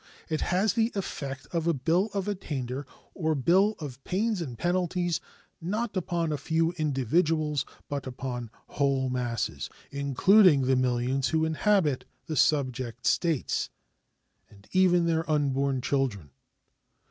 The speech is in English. It has the effect of a bill of attainder or bill of pains and penalties, not upon a few individuals, but upon whole masses, including the millions who inhabit the subject States, and even their unborn children.